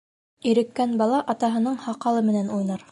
Иреккән бала атаһының һаҡалы менән уйнар.